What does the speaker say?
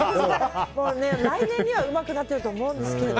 来年にはうまくなってると思うんですけれども。